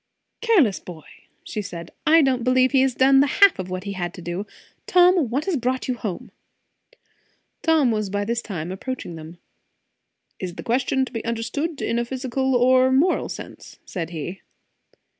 "Careless boy!" she said. "I don't believe he has done the half of what he had to do, Tom, what brought you home?" Tom was by this time approaching them. "Is the question to be understood in a physical or moral sense?" said he.